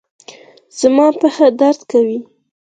زما پښه درد کوي